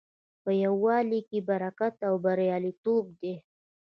په یووالي کې برکت او بریالیتوب دی.